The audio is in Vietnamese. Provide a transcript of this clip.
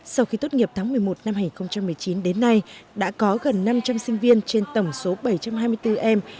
sau khi tốt nghiệp tháng một mươi một năm hai nghìn một mươi chín đến nay đã có gần năm trăm linh sinh viên trên tổng số bảy trăm hai mươi bốn em